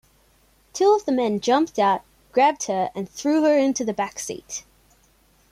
Two of the men jumped out, grabbed her, and threw her into the backseat.